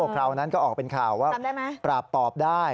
คราวนั้นก็ออกเป็นข่าวว่าปราบปอบได้